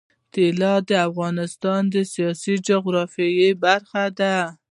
طلا د افغانستان د سیاسي جغرافیه برخه ده.